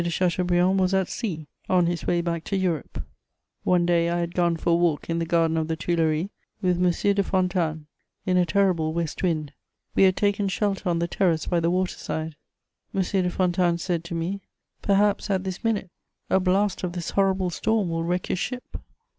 de Chateaubriand was at sea, on his way back to Europe; one day I had gone for a walk in the garden of the Tuileries with M. de Fontanes, in a terrible west wind; we had taken shelter on the terrace by the water side. M. de Fontanes said to me: "Perhaps, at this minute, a blast of this horrible storm will wreck his ship.'